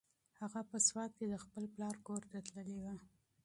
هغه په سوات کې د خپل پلار کور ته تللې وه.